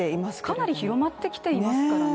かなり広まってきていますからね。